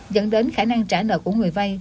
dẫn đến khả năng trả nợ của người vay